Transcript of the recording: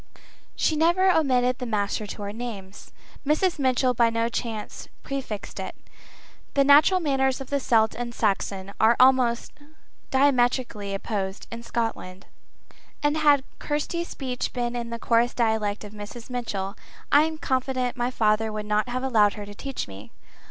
She never omitted the Master to our names; Mrs. Mitchell by no chance prefixed it. The natural manners of the Celt and Saxon are almost diametrically opposed in Scotland. And had Kirsty's speech been in the coarse dialect of Mrs. Mitchell, I am confident my father would not have allowed her to teach me.